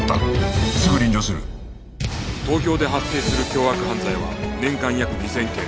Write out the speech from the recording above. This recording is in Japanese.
東京で発生する凶悪犯罪は年間約２０００件